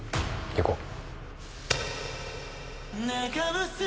行こう！